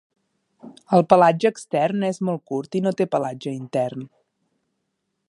El pelatge extern és molt curt i no té pelatge intern.